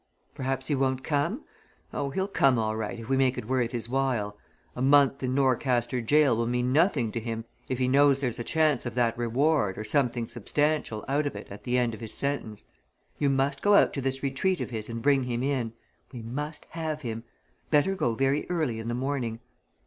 Perhaps he won't come? Oh he'll come all right if we make it worth his while. A month in Norcaster gaol will mean nothing to him if he knows there's a chance of that reward or something substantial out of it at the end of his sentence. You must go out to this retreat of his and bring him in we must have him. Better go very early in the morning.